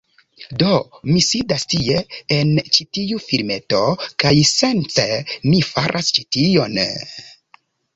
Do, mi sidas tie, en ĉi tiu filmeto, kaj, sence mi faras ĉi tion...